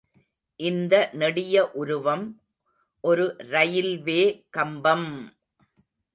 இந்த நெடிய உருவம் ஒரு ரயில்வே கம்பம்!